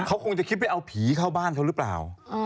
เขาคงจะคิดไปเอาผีเข้าบ้านเขาหรือเปล่า